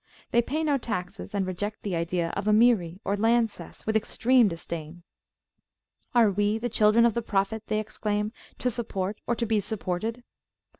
They pay no taxes, and reject the idea of a Miri, or land cess, with extreme disdain. Are we, the children of the Prophet, they exclaim, to support or to be supported?